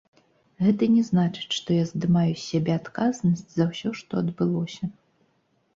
Гэта не значыць, што я здымаю з сябе адказнасць за ўсё, што адбылося.